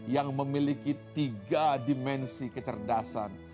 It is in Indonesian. yang memiliki tiga dimensi kecerdasan